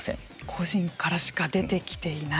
個人からしか出てきていない。